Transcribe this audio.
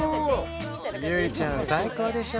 ちゃん最高でしょ？